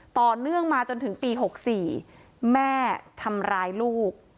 ต่อเนื่องมาจนถึงปี๖๔แม่ทำร้ายลูก